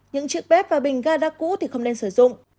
những chiếc bếp và bình ga đã cũ thì không nên sử dụng